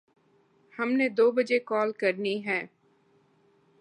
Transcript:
ہم نے دو بجے کال کرنی ہے